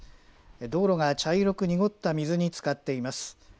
道路が茶色く濁った水につかっています。